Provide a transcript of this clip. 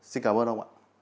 xin cảm ơn ông ạ